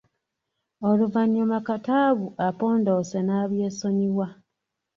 Oluvannyuma Kataabu apondoose n’abyesonyiwa.